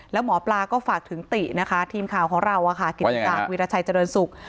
แล้วหมอปลาก็ฝากถึงตินะคะทีมข่าวของเราค่ะกินต่างวิรัชัยเจริญสุข